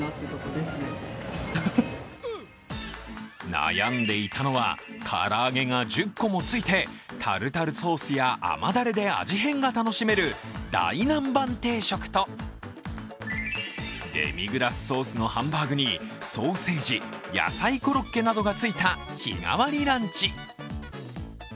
悩んでいたのは、から揚げが１０個もついてタルタルソースや甘だれで味変が楽しめる大南蛮定食とデミグラスソースのハンバーグにソーセージ、野菜コロッケなどがついた日替わりランチ。